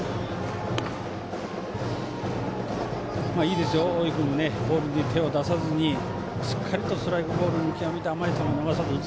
いいですよ、大井君もボールに手を出さずにしっかりとストライク、ボール見極めて甘い球を逃さずに。